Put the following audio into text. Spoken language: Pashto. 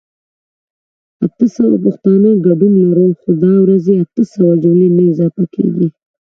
اته سوه پښتانه ګډون لرو خو دا ورځې اته سوه جملي نه اضافه کيږي